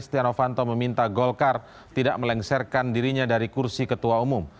setia novanto meminta golkar tidak melengsarkan dirinya dari kursi ketua umum